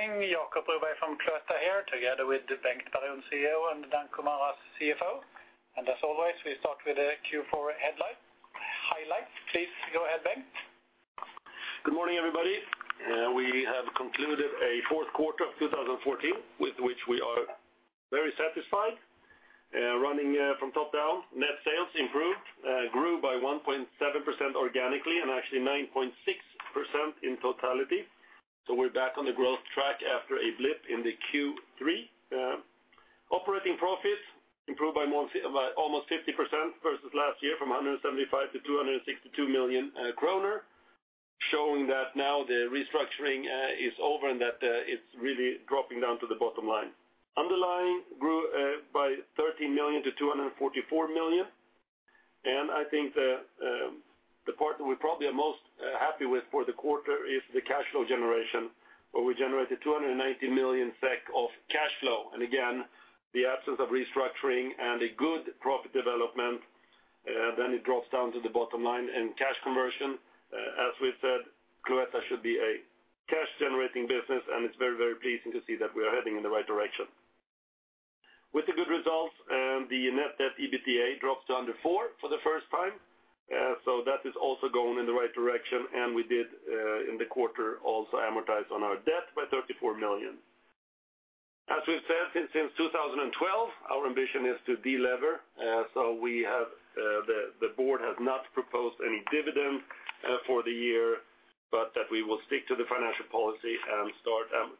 Morning, Jacob. Over from Cloetta here, together with Bengt Baron, CEO, and Danko Maras, CFO. As always, we start with a Q4 headline highlight. Please go ahead, Bengt. Good morning, everybody. We have concluded a fourth quarter of 2014 with which we are very satisfied, running from top down. Net sales improved, grew by 1.7% organically and actually 9.6% in totality. So we're back on the growth track after a blip in the Q3. Operating profit improved by almost 50% versus last year from 175 million to 262 million kronor, showing that now the restructuring is over and that it's really dropping down to the bottom line. Underlying grew by 13 million to 244 million. And I think the part that we probably are most happy with for the quarter is the cash flow generation, where we generated 290 million SEK of cash flow. And again, the absence of restructuring and a good profit development, then it drops down to the bottom line. Cash conversion, as we've said, Cloetta should be a cash-generating business, and it's very, very pleasing to see that we are heading in the right direction. With the good results, the net debt EBITDA drops to under 4 for the first time, so that is also going in the right direction. We did, in the quarter, also amortize on our debt by 34 million. As we've said, since 2012, our ambition is to de-lever, so the board has not proposed any dividend for the year, but we will stick to the financial policy and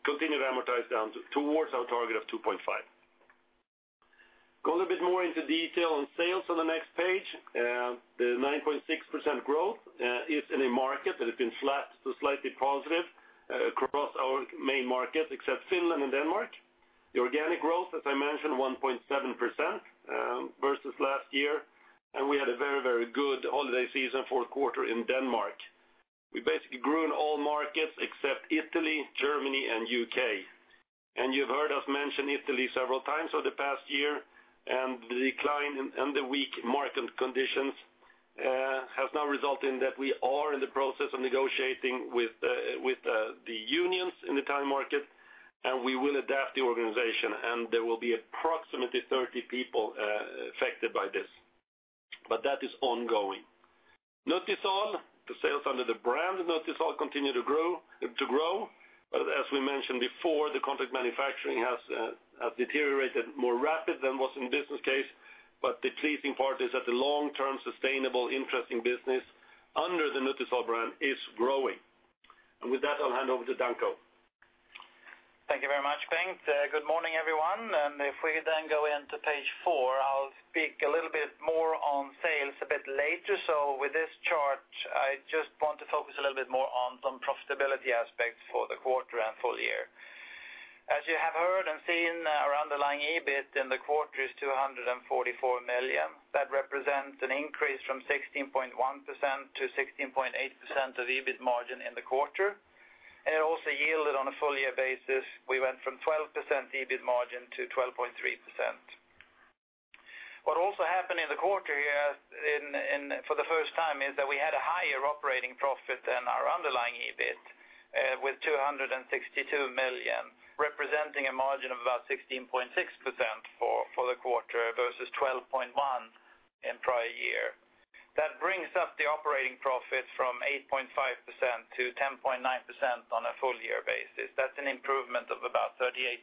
continue to amortize down towards our target of 2.5. Going a bit more into detail on sales on the next page, the 9.6% growth is in a market that has been flat to slightly positive across our main markets except Finland and Denmark. The organic growth, as I mentioned, 1.7%, versus last year. We had a very, very good holiday season fourth quarter in Denmark. We basically grew in all markets except Italy, Germany, and U.K. You've heard us mention Italy several times over the past year. The decline in Italy and the weak market conditions has now resulted in that we are in the process of negotiating with the unions in the Italian market. We will adapt the organization. There will be approximately 30 people affected by this. But that is ongoing. Nutisal. The sales under the brand Nutisal continue to grow. But as we mentioned before, the contract manufacturing has deteriorated more rapid than was in business case. But the pleasing part is that the long-term sustainable, interesting business under the Nutisal brand is growing. With that, I'll hand over to Danko. Thank you very much, Bengt. Good morning, everyone. If we then go into page four, I'll speak a little bit more on sales a bit later. With this chart, I just want to focus a little bit more on some profitability aspects for the quarter and full year. As you have heard and seen, our underlying EBIT in the quarter is 244 million. That represents an increase from 16.1% to 16.8% of EBIT margin in the quarter. And it also yielded on a full-year basis. We went from 12% EBIT margin to 12.3%. What also happened in the quarter here, for the first time is that we had a higher operating profit than our underlying EBIT, with 262 million, representing a margin of about 16.6% for the quarter versus 12.1% in prior year. That brings up the operating profit from 8.5% to 10.9% on a full-year basis. That's an improvement of about 38%.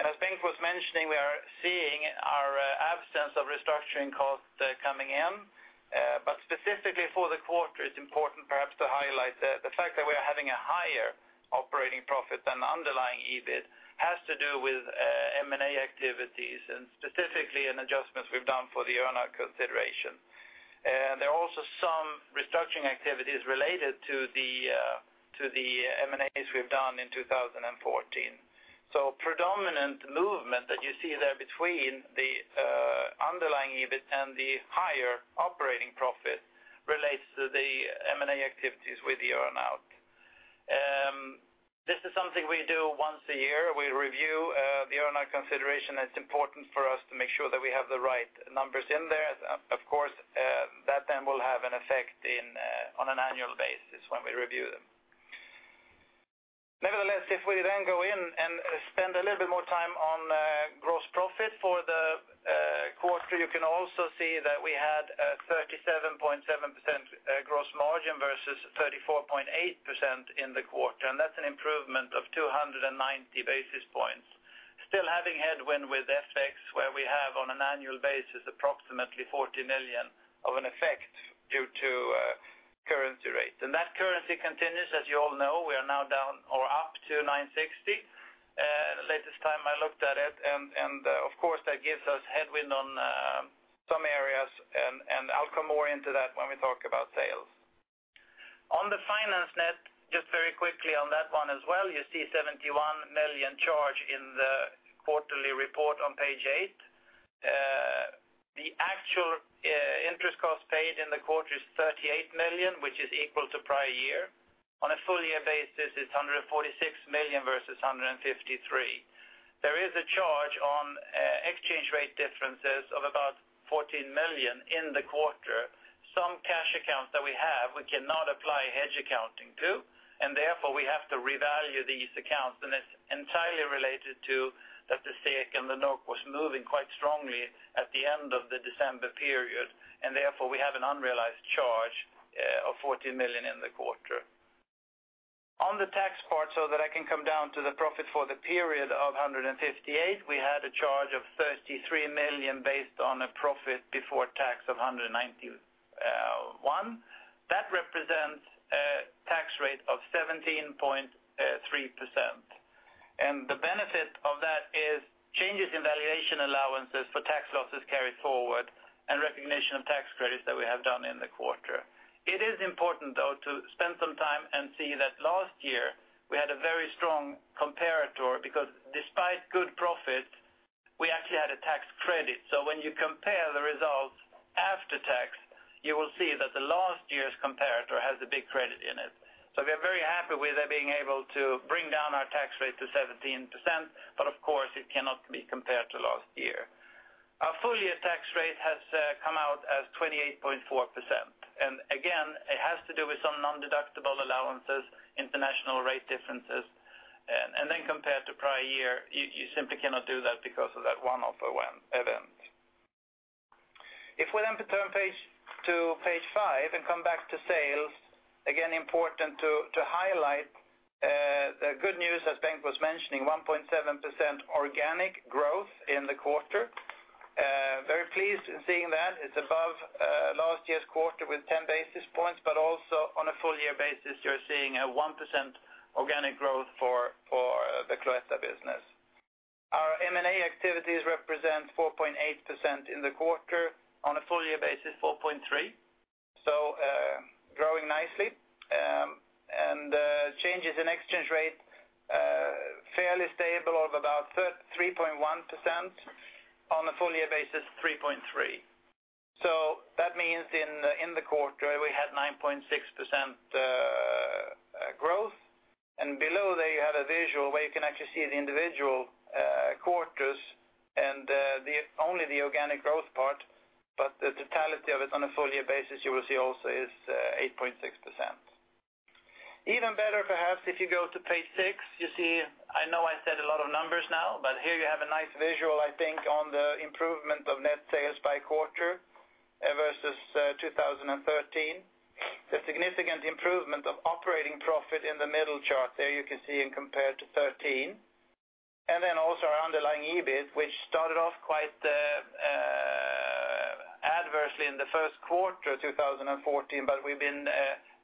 As Bengt was mentioning, we are seeing our absence of restructuring cost coming in. But specifically for the quarter, it's important perhaps to highlight that the fact that we are having a higher operating profit than the underlying EBIT has to do with M&A activities and specifically in adjustments we've done for the Earnout consideration. There are also some restructuring activities related to the to the M&As we've done in 2014. Predominant movement that you see there between the underlying EBIT and the higher operating profit relates to the M&A activities with the Earnout. This is something we do once a year. We review the Earnout consideration. It's important for us to make sure that we have the right numbers in there. Of course, that then will have an effect on an annual basis when we review them. Nevertheless, if we then go in and spend a little bit more time on gross profit for the quarter, you can also see that we had 37.7% gross margin versus 34.8% in the quarter. And that's an improvement of 290 basis points. Still having headwind with FX, where we have on an annual basis approximately 40 million of an effect due to currency rate. And that currency continues, as you all know. We are now down or up to 9.60, the latest time I looked at it, and, of course, that gives us headwind on some areas. And I'll come more into that when we talk about sales. On the finance net, just very quickly on that one as well, you see 71 million charge in the quarterly report on page eight. The actual interest cost paid in the quarter is 38 million, which is equal to prior year. On a full-year basis, it's 146 million versus 153 million. There is a charge on exchange rate differences of about 14 million in the quarter. Some cash accounts that we have, we cannot apply hedge accounting to. And therefore, we have to revalue these accounts. And it's entirely related to that the SEK and the NOK was moving quite strongly at the end of the December period. And therefore, we have an unrealized charge of 14 million in the quarter. On the tax part, so that I can come down to the profit for the period of 158 million, we had a charge of 33 million based on a profit before tax of 191 million. That represents tax rate of 17.3%. The benefit of that is changes in valuation allowances for tax losses carried forward and recognition of tax credits that we have done in the quarter. It is important, though, to spend some time and see that last year, we had a very strong comparator because despite good profits, we actually had a tax credit. So when you compare the results after tax, you will see that the last year's comparator has a big credit in it. We are very happy with it being able to bring down our tax rate to 17%. But of course, it cannot be compared to last year. Our full-year tax rate has come out as 28.4%. And again, it has to do with some non-deductible allowances, international rate differences. And then compared to prior year, you simply cannot do that because of that one-off event. If we then turn page to page five and come back to sales, again, important to highlight the good news, as Bengt was mentioning, 1.7% organic growth in the quarter. Very pleased in seeing that. It's above last year's quarter with 10 basis points. But also on a full-year basis, you're seeing a 1% organic growth for the Cloetta business. Our M&A activities represent 4.8% in the quarter. On a full-year basis, 4.3%. So, growing nicely. Changes in exchange rate, fairly stable of about 3.1%. On a full-year basis, 3.3%. So that means in the quarter, we had 9.6% growth. And below there, you have a visual where you can actually see the individual quarters and the organic growth part. But the totality of it on a full-year basis, you will see also, is 8.6%. Even better, perhaps, if you go to page six, you see I know I said a lot of numbers now, but here you have a nice visual, I think, on the improvement of net sales by quarter, versus 2013. The significant improvement of operating profit in the middle chart there, you can see in compared to 2013. And then also our underlying EBIT, which started off quite adversely in the first quarter 2014, but we've been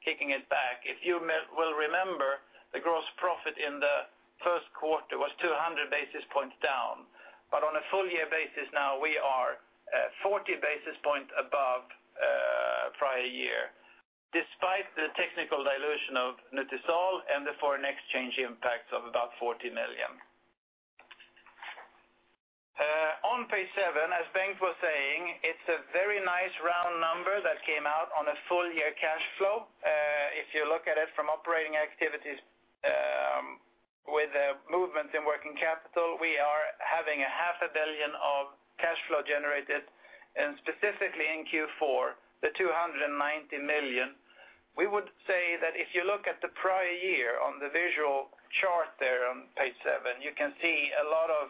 kicking it back. If you will remember, the gross profit in the first quarter was 200 basis points down. But on a full-year basis now, we are 40 basis points above prior year despite the technical dilution of Nutisal and the foreign exchange impacts of about 40 million. On page seven, as Bengt was saying, it's a very nice round number that came out on a full-year cash flow. If you look at it from operating activities with movements in working capital, we are having 500 million of cash flow generated, and specifically in Q4, 290 million. We would say that if you look at the prior year on the visual chart there on page seven, you can see a lot of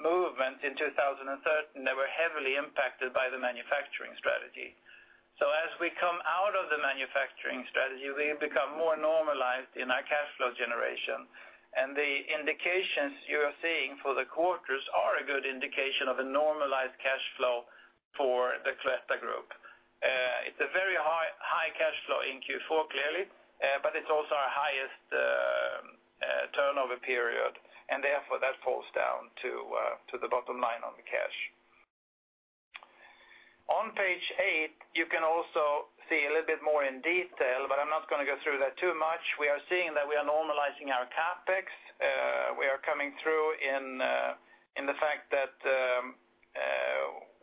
movements in 2013 that were heavily impacted by the manufacturing strategy. So as we come out of the manufacturing strategy, we become more normalized in our cash flow generation. And the indications you are seeing for the quarters are a good indication of a normalized cash flow for the Cloetta Group. It's a very high cash flow in Q4, clearly, but it's also our highest turnover period. And therefore, that falls down to the bottom line on the cash. On page 8, you can also see a little bit more in detail, but I'm not going to go through that too much. We are seeing that we are normalizing our CapEx. We are coming through in the fact that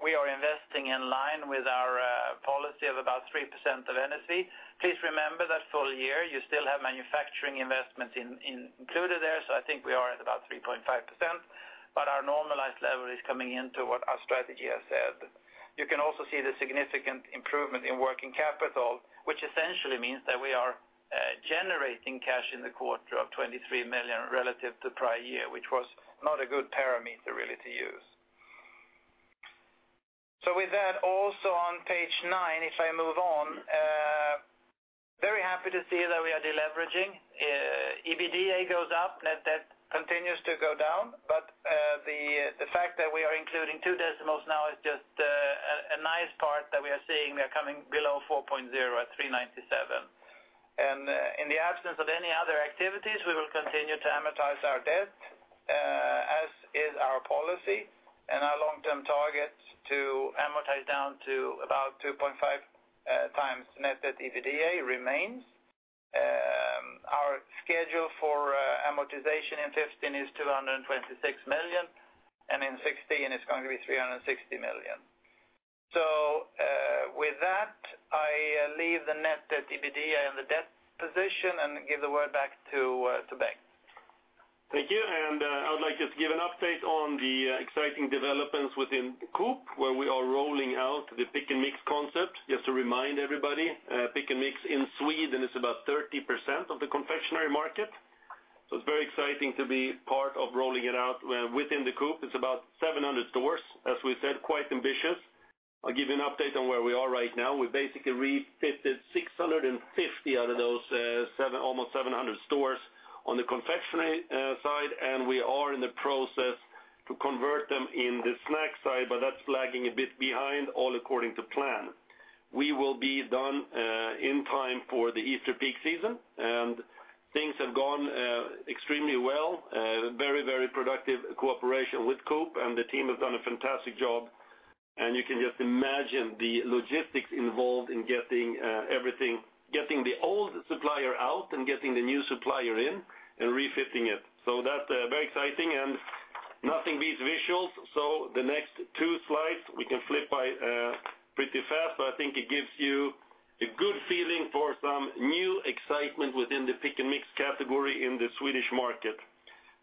we are investing in line with our policy of about 3% of NSV. Please remember that full year, you still have manufacturing investments in included there. So I think we are at about 3.5%. But our normalized level is coming into what our strategy has said. You can also see the significant improvement in working capital, which essentially means that we are generating cash in the quarter of 23 million relative to prior year, which was not a good parameter, really, to use. So with that, also on page nine, if I move on, very happy to see that we are de-leveraging. EBITDA goes up. Net Debt continues to go down. But the fact that we are including two decimals now is just a nice part that we are seeing. We are coming below 4.0 at 3.97. In the absence of any other activities, we will continue to amortize our debt, as is our policy. Our long-term target to amortize down to about 2.5x net debt/EBITDA remains. Our schedule for amortization in 2015 is 226 million. In 2016, it's going to be 360 million. So, with that, I leave the net debt/EBITDA and the debt position and give the word back to Bengt. Thank you. I would like just to give an update on the exciting developments within Coop, where we are rolling out the pick-and-mix concept. Just to remind everybody, pick-and-mix in Sweden, it's about 30% of the confectionery market. It's very exciting to be part of rolling it out within the Coop. It's about 700 stores, as we said, quite ambitious. I'll give you an update on where we are right now. We basically refitted 650 out of those 700 almost 700 stores on the confectionery side. We are in the process to convert them in the snack side. But that's lagging a bit behind, all according to plan. We will be done in time for the Easter peak season. Things have gone extremely well, very, very productive cooperation with Coop. The team has done a fantastic job. You can just imagine the logistics involved in getting everything getting the old supplier out and getting the new supplier in and refitting it. So that's very exciting. Nothing beats visuals. So the next two slides we can flip by pretty fast. But I think it gives you a good feeling for some new excitement within the pick-and-mix category in the Swedish market.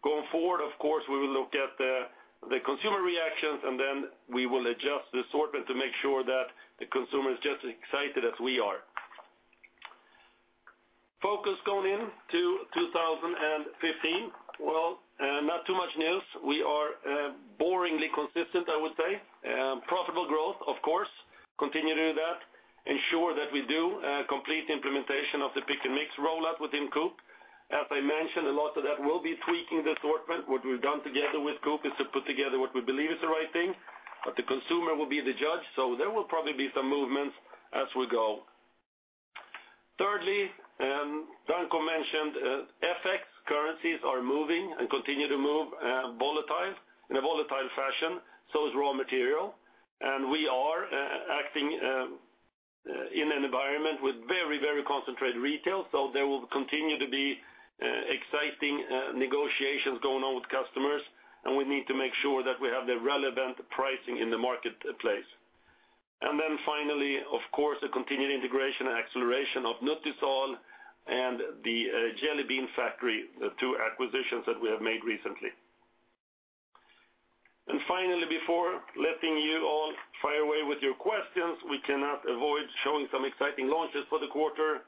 Going forward, of course, we will look at the consumer reactions. And then we will adjust the assortment to make sure that the consumer is just as excited as we are. Focus going into 2015. Well, not too much news. We are boringly consistent, I would say. Profitable growth, of course. Continue to do that. Ensure that we do complete implementation of the pick-and-mix rollout within Coop. As I mentioned, a lot of that will be tweaking the assortment. What we've done together with Coop is to put together what we believe is the right thing. The consumer will be the judge. There will probably be some movements as we go. Thirdly, Danko mentioned, FX currencies are moving and continue to move, volatile in a volatile fashion. So is raw material. And we are acting in an environment with very, very concentrated retail. There will continue to be exciting negotiations going on with customers. And we need to make sure that we have the relevant pricing in the marketplace. And then finally, of course, a continued integration and acceleration of Nutisal and the Jelly Bean Factory, the two acquisitions that we have made recently. Finally, before letting you all fire away with your questions, we cannot avoid showing some exciting launches for the quarter,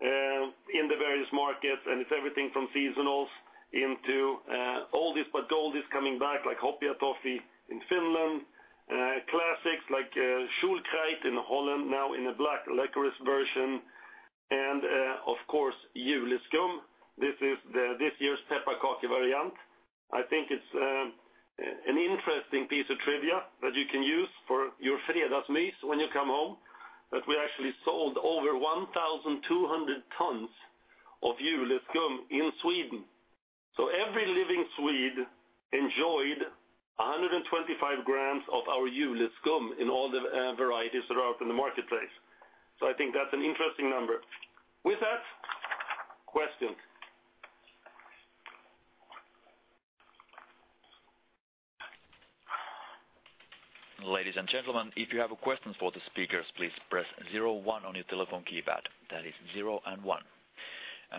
in the various markets. It's everything from seasonals into oldies but goldies coming back like Hopea Toffee in Finland, classics like Schoolkrijt in Holland, now in a black licorice version, and, of course, Juleskum. This is this year's pepparkaka variant. I think it's an interesting piece of trivia that you can use for your Fredagsmys when you come home. But we actually sold over 1,200 tons of Juleskum in Sweden. So every living Swede enjoyed 125 grams of our Juleskum in all the varieties that are out in the marketplace. So I think that's an interesting number. With that, questions. Ladies and gentlemen, if you have questions for the speakers, please press zero one on your telephone keypad. That is zero and one.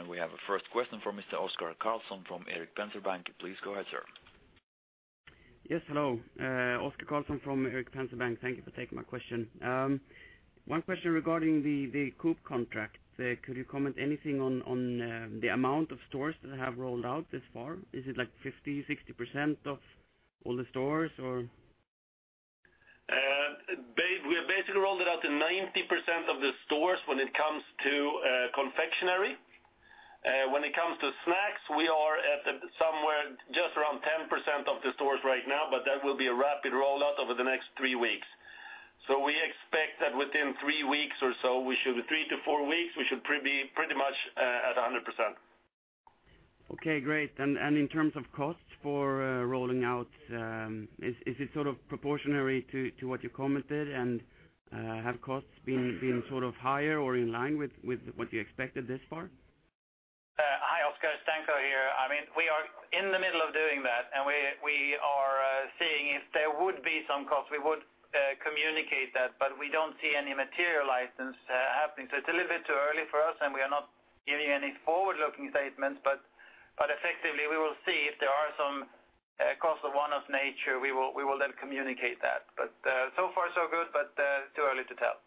We have a first question for Mr. Oskar Karlsson from Erik Penser Bank. Please go ahead, sir. Yes. Hello. Oskar Karlsson from Erik Penser Bank. Thank you for taking my question. One question regarding the Coop contract. Could you comment anything on the amount of stores that have rolled out thus far? Is it like 50%-60% of all the stores, or? Babe, we have basically rolled it out to 90% of the stores when it comes to confectionery. When it comes to snacks, we are at somewhere just around 10% of the stores right now. But that will be a rapid rollout over the next three weeks. So we expect that within three weeks or so, three to four weeks, we should be pretty much at 100%. Okay. Great. And in terms of costs for rolling out, is it sort of proportional to what you commented? And have costs been sort of higher or in line with what you expected thus far? Hi Oskar, Danko here. I mean, we are in the middle of doing that. And we are seeing if there would be some costs. We would communicate that. But we don't see any material license happening. So it's a little bit too early for us. And we are not giving any forward-looking statements. But effectively, we will see if there are some costs of one-off nature. We will then communicate that. But so far, so good. But too early to tell.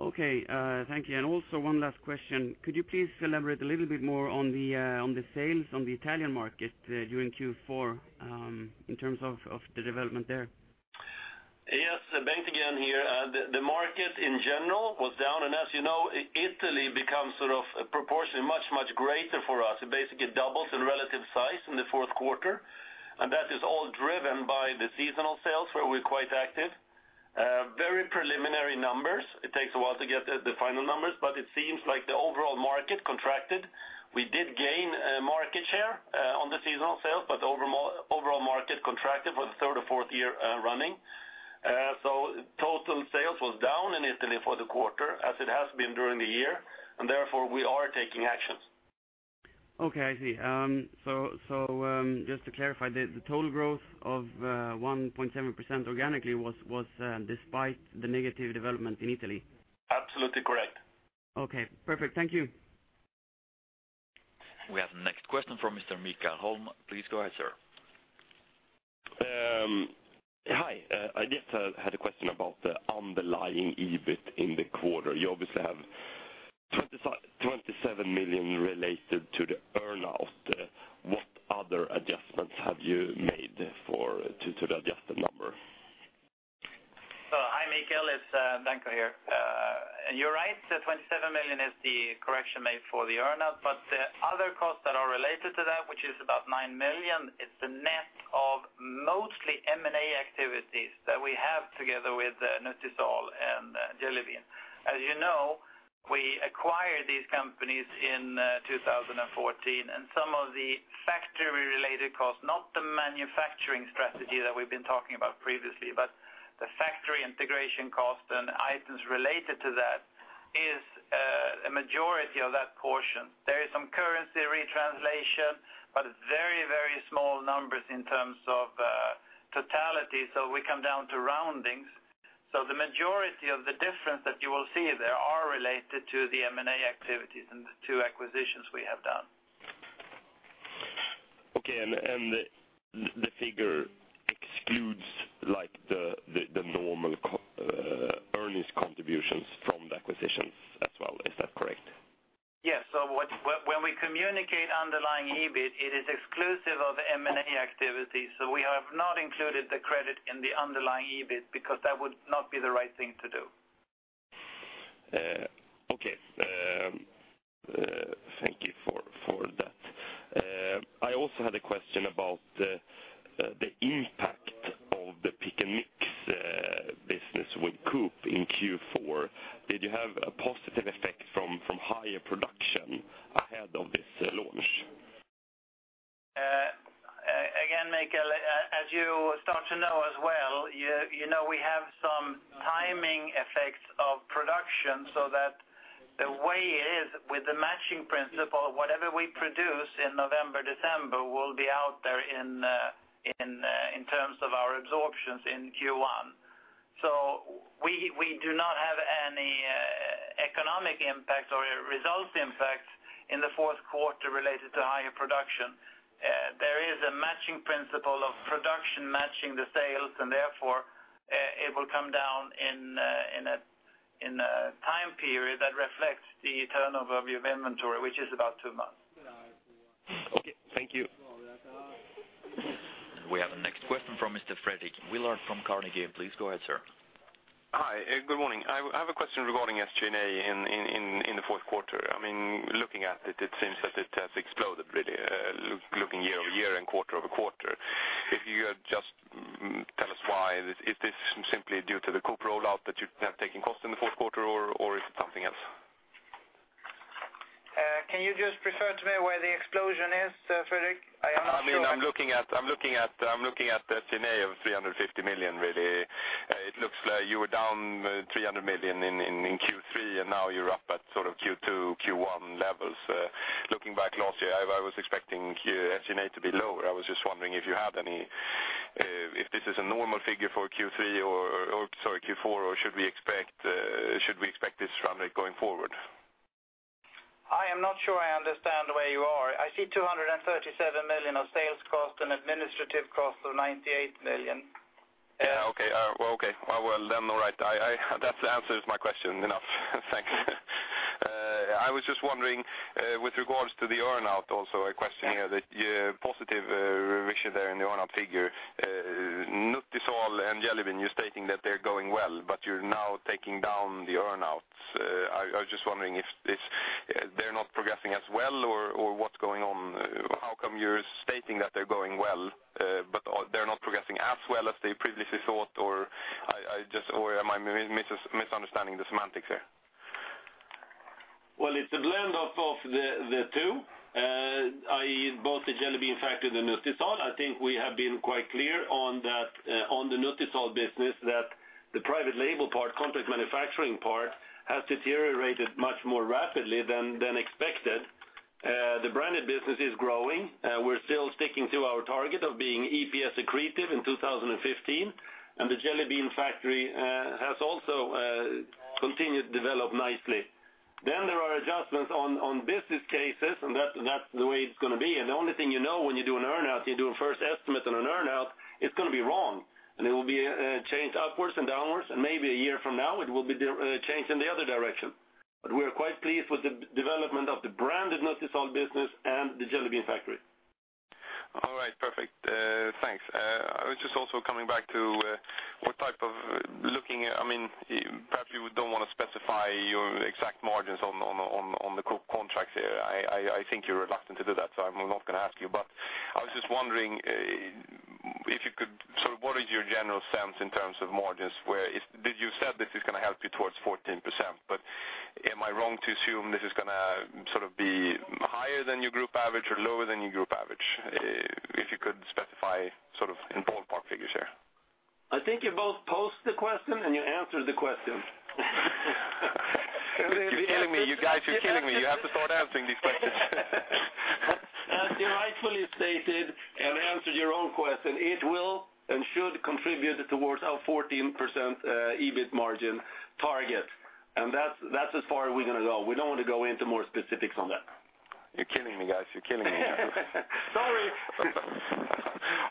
Okay. Thank you. Also one last question. Could you please elaborate a little bit more on the, on the sales on the Italian market, during Q4, in terms of, of the development there? Yes. Bengt again here. The market in general was down. And as you know, Italy becomes sort of proportionally much, much greater for us. It basically doubles in relative size in the fourth quarter. And that is all driven by the seasonal sales, where we're quite active. Very preliminary numbers. It takes a while to get the final numbers. But it seems like the overall market contracted. We did gain market share on the seasonal sales. But the overall market contracted for the third or fourth year running. So total sales was down in Italy for the quarter as it has been during the year. And therefore, we are taking actions. Okay. I see. Just to clarify, the total growth of 1.7% organically was despite the negative development in Italy? Absolutely correct. Okay. Perfect. Thank you. We have the next question for Mr. Mikael Holm. Please go ahead, sir. Hi. I just had a question about the underlying EBIT in the quarter. You obviously have 27 million related to the earnout. What other adjustments have you made for to, to the adjusted number? Hi, Mikael. It's Danko here. You're right. The 27 million is the correction made for the earnout. But the other costs that are related to that, which is about 9 million, it's the net of mostly M&A activities that we have together with Nutisal and Jelly Bean. As you know, we acquired these companies in 2014. Some of the factory-related costs, not the manufacturing strategy that we've been talking about previously, but the factory integration cost and items related to that, is a majority of that portion. There is some currency retranslation, but very, very small numbers in terms of totality. We come down to roundings. The majority of the difference that you will see there are related to the M&A activities and the two acquisitions we have done. Okay. The figure excludes, like, the normal core earnings contributions from the acquisitions as well. Is that correct? Yes. So when we communicate underlying EBIT, it is exclusive of M&A activities. So we have not included the credit in the underlying EBIT because that would not be the right thing to do. Okay. Thank you for that. I also had a question about the impact of the pick-and-mix business with Coop in Q4. Did you have a positive effect from higher production ahead of this launch? Again, Mikael, as you start to know as well, you know we have some timing effects of production. So that the way it is, with the matching principle, whatever we produce in November, December will be out there in terms of our absorptions in Q1. So we do not have any economic impact or results impact in the fourth quarter related to higher production. There is a matching principle of production matching the sales. And therefore, it will come down in a time period that reflects the turnover of your inventory, which is about two months. Okay. Thank you. We have the next question from Mr. Fredrik Villard from Carnegie. Please go ahead, sir. Hi. Good morning. I have a question regarding SG&A in the fourth quarter. I mean, looking at it, it seems that it has exploded, really, looking year-over-year and quarter-over-quarter. If you could just tell us why, is this simply due to the Coop rollout that you have taken costs in the fourth quarter, or is it something else? Can you just refer to me where the explosion is, Fredrik? I am not sure. I mean, I'm looking at SG&A of 350 million, really. It looks like you were down 300 million in Q3. And now you're up at sort of Q2, Q1 levels. Looking back last year, I was expecting SG&A to be lower. I was just wondering if this is a normal figure for Q3 or, sorry, Q4, or should we expect this run rate going forward? Hi. I'm not sure I understand where you are. I see 237 million of sales cost and administrative cost of 98 million. Yeah. Okay. Well, okay. Well, then, all right. That answers my question enough. Thanks. I was just wondering, with regards to the earnout also, a question here, that you positive revision there in the earnout figure, Nutisal and Jelly Bean, you're stating that they're going well. But you're now taking down the earnouts. I was just wondering if they're not progressing as well, or what's going on? How come you're stating that they're going well, but they're not progressing as well as they previously thought, or I just or am I misunderstanding the semantics here? Well, it's a blend of, of the, the two. i.e., both the Jelly Bean Factory and the Nutisal. I think we have been quite clear on that, on the Nutisal business, that the private label part, contract manufacturing part, has deteriorated much more rapidly than, than expected. The branded business is growing. We're still sticking to our target of being EPS accretive in 2015. And the Jelly Bean Factory has also continued to develop nicely. Then there are adjustments on, on business cases. And that, that's the way it's going to be. And the only thing you know when you do an earnout, you do a first estimate on an earnout, it's going to be wrong. And it will be changed upwards and downwards. And maybe a year from now, it will be changed in the other direction. But we are quite pleased with the development of the branded Nutisal business and The Jelly Bean Factory. All right. Perfect. Thanks. I was just also coming back to, I mean, you perhaps don't want to specify your exact margins on the Coop contracts here. I think you're reluctant to do that. So I'm not going to ask you. But I was just wondering, if you could sort of what is your general sense in terms of margins where did you say this is going to help you toward 14%? But am I wrong to assume this is going to sort of be higher than your group average or lower than your group average, if you could specify sort of in ballpark figures here? I think you both posed the question. You answered the question. You're killing me. You guys, you're killing me. You have to start answering these questions. As you rightfully stated and answered your own question, it will and should contribute towards our 14% EBIT margin target. That's, that's as far as we're going to go. We don't want to go into more specifics on that. You're killing me, guys. You're killing me. Sorry.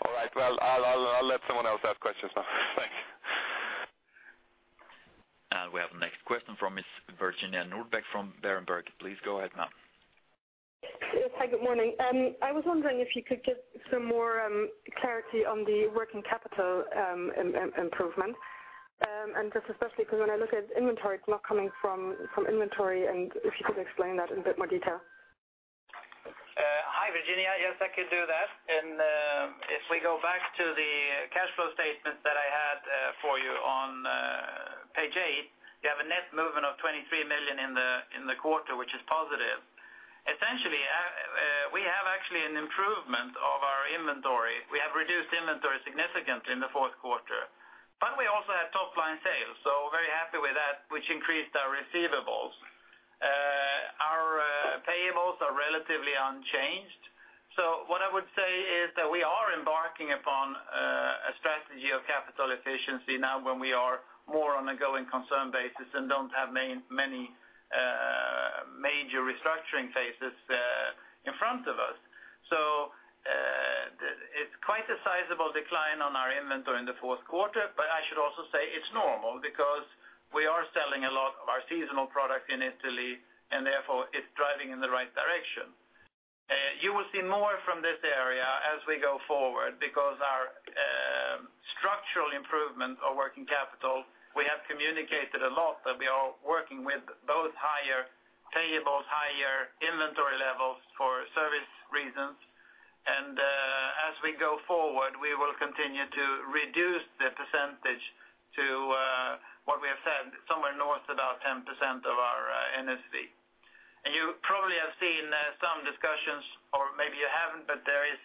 All right. Well, I'll let someone else ask questions now. Thanks. We have the next question from Ms. Virginia Nordback from Berenberg. Please go ahead, ma'am. Yes. Hi. Good morning. I was wondering if you could get some more clarity on the working capital improvement, and just especially because when I look at inventory, it's not coming from inventory. And if you could explain that in a bit more detail. Hi, Virginia. Yes, I could do that. If we go back to the cash flow statements that I had for you on page eight, you have a net movement of 23 million in the quarter, which is positive. Essentially, we have actually an improvement of our inventory. We have reduced inventory significantly in the fourth quarter. But we also had top-line sales. So we're very happy with that, which increased our receivables. Our payables are relatively unchanged. So what I would say is that we are embarking upon a strategy of capital efficiency now when we are more on a going concern basis and don't have many major restructuring phases in front of us. So, that's quite a sizable decline in our inventory in the fourth quarter. But I should also say it's normal because we are selling a lot of our seasonal products in Italy. And therefore, it's driving in the right direction. You will see more from this area as we go forward because our structural improvement of Working Capital, we have communicated a lot that we are working with both higher payables, higher inventory levels for service reasons. And, as we go forward, we will continue to reduce the percentage to, what we have said, somewhere north about 10% of our NSV. And you probably have seen, some discussions, or maybe you haven't. But there is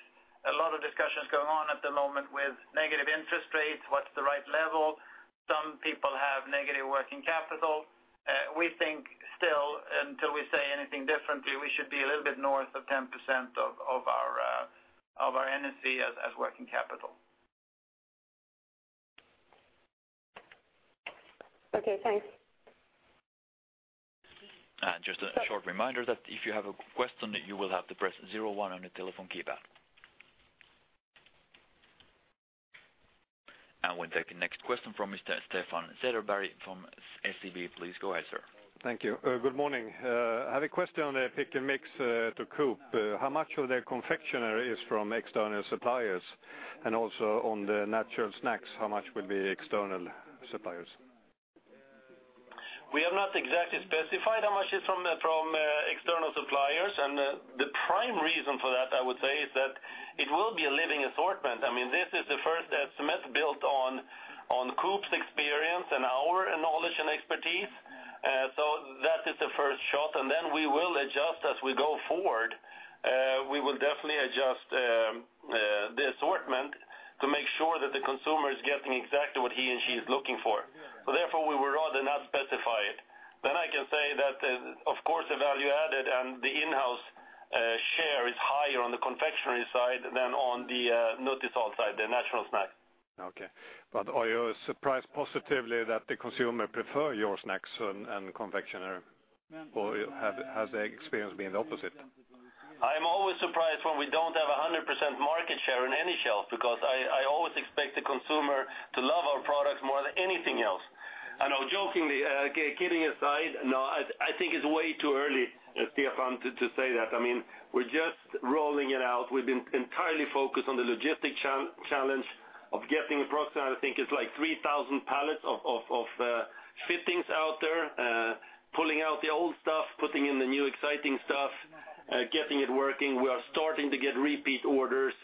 a lot of discussions going on at the moment with negative interest rates, what's the right level. Some people have negative working capital. We think still, until we say anything differently, we should be a little bit north of 10% of our NSV as Working Capital. Okay. Thanks. Just a short reminder that if you have a question, you will have to press 01 on the telephone keypad. We'll take the next question from Mr. Stefan Cederberg from SEB. Please go ahead, sir. Thank you. Good morning. I have a question on the pick-and-mix to Coop. How much of their confectionery is from external suppliers? And also on the natural snacks, how much will be external suppliers? We have not exactly specified how much is from external suppliers. The prime reason for that, I would say, is that it will be a living assortment. I mean, this is the first estimate built on Coop's experience and our knowledge and expertise. So that is the first shot. Then we will adjust as we go forward. We will definitely adjust the assortment to make sure that the consumer is getting exactly what he and she is looking for. So therefore, we would rather not specify it. Then I can say that, of course, the value added and the in-house share is higher on the confectionery side than on the Nutisal side, the natural snacks. Okay. But are you surprised positively that the consumer prefer your snacks and, and confectionery? Or have, has they experienced being the opposite? I am always surprised when we don't have 100% market share on any shelf because I, I always expect the consumer to love our products more than anything else. I know, jokingly, kidding aside, no, I, I think it's way too early, Stefan, to, to say that. I mean, we're just rolling it out. We've been entirely focused on the logistic challenge of getting approximately, I think it's like 3,000 pallets of, of, of, fittings out there, pulling out the old stuff, putting in the new exciting stuff, getting it working. We are starting to get repeat orders.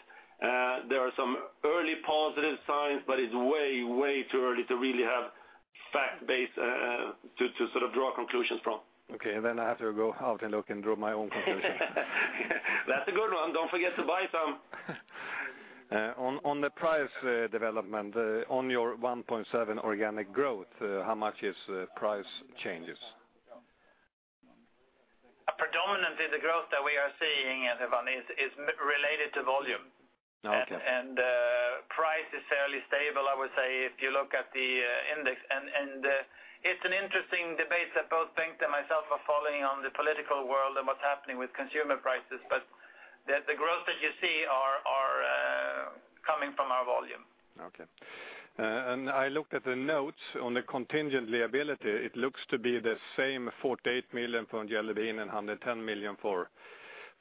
There are some early positive signs. But it's way, way too early to really have fact-based, to, to sort of draw conclusions from. Okay. Then I have to go out and look and draw my own conclusion. That's a good one. Don't forget to buy some. On the price development, on your 1.7 organic growth, how much is price changes? Predominantly, the growth that we are seeing, Stefan, is mainly related to volume. Okay. Price is fairly stable, I would say, if you look at the index. It's an interesting debate that both Bengt and myself are following on the political world and what's happening with consumer prices. But the growth that you see are coming from our volume. Okay. I looked at the notes on the contingent liability. It looks to be the same 48 million for Jelly Bean Factory and 110 million for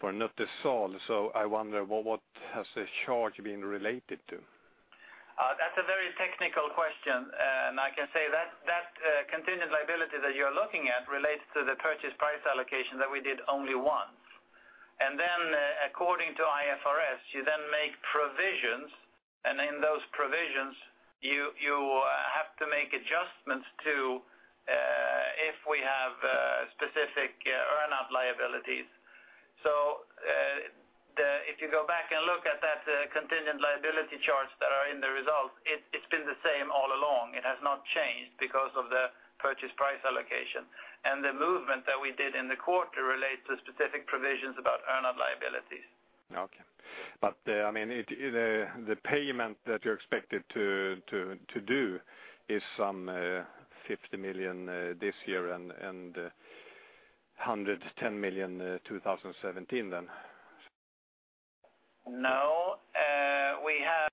Nutisal. So I wonder, what, what has the charge been related to? That's a very technical question. And I can say that that contingent liability that you are looking at relates to the purchase price allocation that we did only once. And then, according to IFRS, you then make provisions. And in those provisions, you have to make adjustments to, if we have, specific earnout liabilities. So, if you go back and look at that contingent liability charts that are in the results, it's been the same all along. It has not changed because of the purchase price allocation. And the movement that we did in the quarter relates to specific provisions about earnout liabilities. Okay. But, I mean, it, the payment that you're expected to do is some 50 million this year and 110 million 2017 then? No, we have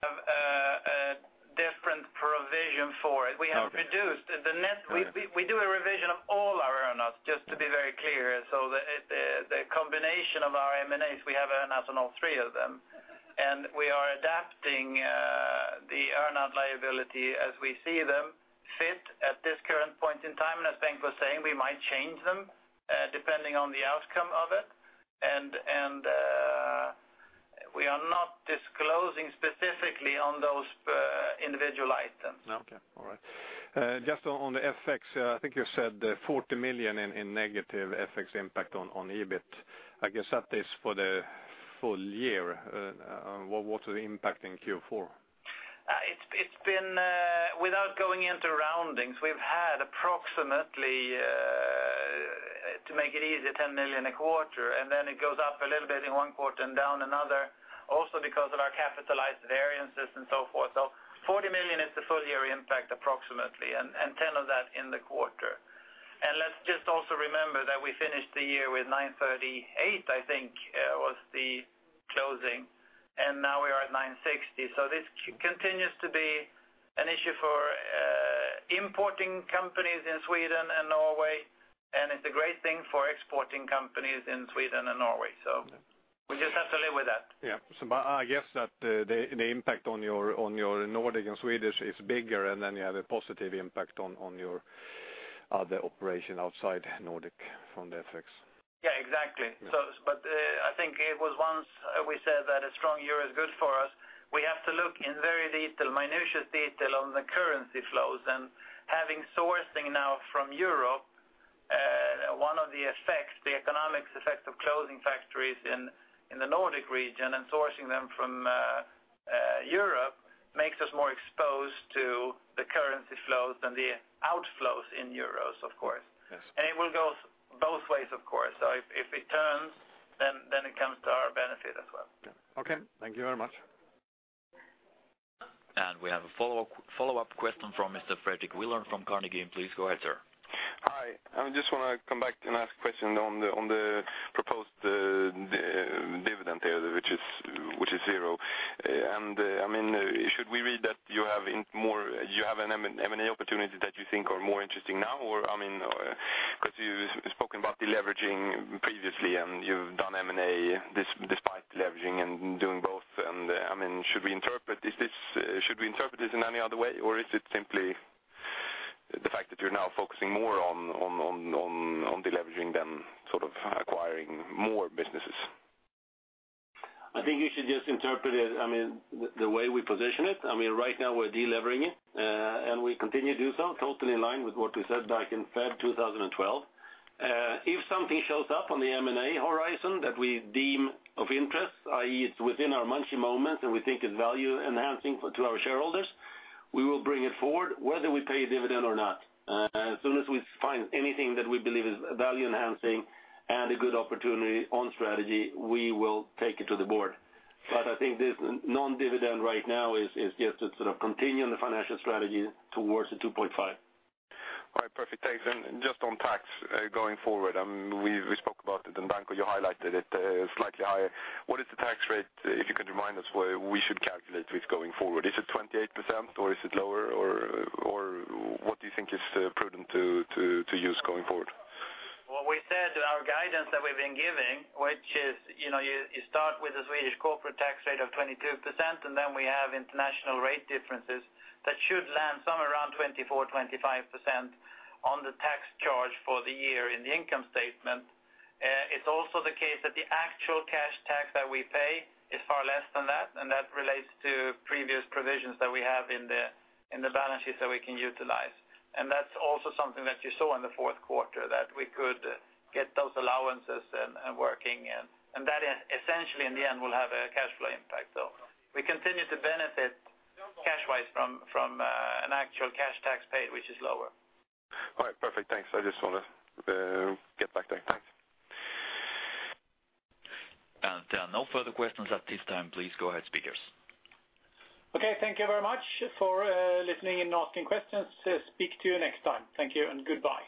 a different provision for it. We have reduced the net. We do a revision of all our earnouts, just to be very clear. So the combination of our M&As, we have earnouts on all three of them. And we are adapting the earnout liability as we see them fit at this current point in time. And as Bengt was saying, we might change them, depending on the outcome of it. And we are not disclosing specifically on those individual items. Okay. All right. Just on, on the FX, I think you said, 40 million in, in negative FX impact on, on EBIT. I guess that is for the full year. What, what's the impact in Q4? It's been, without going into roundings, we've had approximately, to make it easy, 10 million a quarter. And then it goes up a little bit in one quarter and down another also because of our capitalized variances and so forth. So 40 million is the full-year impact approximately, and 10 million of that in the quarter. And let's just also remember that we finished the year with 938, I think, was the closing. And now we are at 960. So this continues to be an issue for importing companies in Sweden and Norway. And it's a great thing for exporting companies in Sweden and Norway. So we just have to live with that. Yeah. So, I guess that the impact on your Nordic and Swedish is bigger. And then you have a positive impact on your other operation outside Nordic from the FX. Yeah. Exactly. So, but I think it was once we said that a strong euro is good for us. We have to look in very detail, minute detail, on the currency flows. And having sourcing now from Europe, one of the effects, the economic effects of closing factories in the Nordic region and sourcing them from Europe makes us more exposed to the currency flows than the outflows in euros, of course. Yes. It will go both ways, of course. So if it turns, then it comes to our benefit as well. Okay. Thank you very much. We have a follow-up question from Mr. Fredrik Villard from Carnegie. Please go ahead, sir. Hi. I just want to come back and ask a question on the proposed dividend there, which is zero. And, I mean, should we read that you have an M&A opportunity that you think are more interesting now? Or, I mean, because you've spoken about the leveraging previously. And you've done M&A despite leveraging and doing both. And, I mean, should we interpret this in any other way? Or is it simply the fact that you're now focusing more on deleveraging than sort of acquiring more businesses? I think you should just interpret it. I mean, the way we position it. I mean, right now, we're delevering it, and we continue to do so, totally in line with what we said back in February 2012. If something shows up on the M&A horizon that we deem of interest, i.e., it's within our Munchy Moments and we think is value-enhancing to our shareholders, we will bring it forward whether we pay a dividend or not. As soon as we find anything that we believe is value-enhancing and a good opportunity on strategy, we will take it to the board. But I think this non-dividend right now is just to sort of continue on the financial strategy towards the 2.5. All right. Perfect. Thanks. And just on tax, going forward, I mean, we spoke about it in Bengt. You highlighted it, slightly higher. What is the tax rate, if you could remind us, we should calculate with going forward? Is it 28%? Or is it lower? Or what do you think is prudent to use going forward? What we said to our guidance that we've been giving, which is, you know, you start with the Swedish corporate tax rate of 22%. And then we have international rate differences that should land somewhere around 24%-25% on the tax charge for the year in the income statement. It's also the case that the actual cash tax that we pay is far less than that. And that relates to previous provisions that we have in the balances that we can utilize. And that's also something that you saw in the fourth quarter, that we could get those allowances and working. And that essentially, in the end, will have a cash flow impact, though. We continue to benefit cash-wise from an actual cash tax paid, which is lower. All right. Perfect. Thanks. I just want to get back there. Thanks. No further questions at this time. Please go ahead, speakers. Okay. Thank you very much for listening and asking questions. Speak to you next time. Thank you. Goodbye.